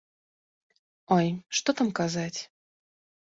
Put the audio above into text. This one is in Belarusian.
Ой, што там казаць!